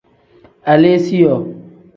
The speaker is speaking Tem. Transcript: Aleesiyoo.